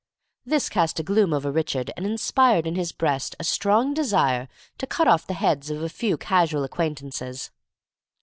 This cast a gloom over Richard, and inspired in his breast a strong desire to cut off the heads of a few casual acquaintances.